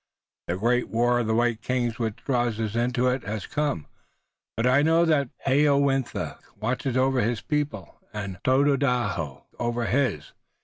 The great war of the white kings which draws us in it has come, but I know that Hayowentha watches over his people, and Tododaho over his.